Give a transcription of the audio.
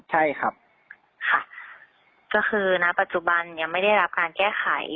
ใช่ครับค่ะก็คือณปัจจุบันยังไม่ได้รับการแก้ไข